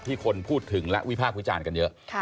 ที่คนพูดถึงและวิพากษ์คุยจ่านกันเยอะ